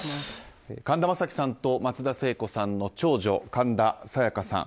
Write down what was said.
神田正輝さんと松田聖子さんの長女神田沙也加さん。